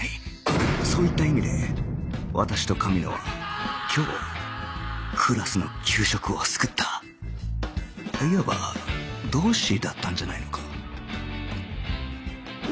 そういった意味で私と神野は今日クラスの給食を救ったいわば同志だったんじゃないのか